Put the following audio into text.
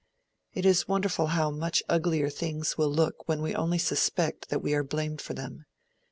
It is wonderful how much uglier things will look when we only suspect that we are blamed for them.